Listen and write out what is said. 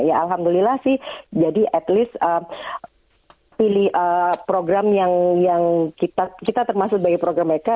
alhamdulillah sih jadi setidaknya pilih program yang kita termasuk bagi program mereka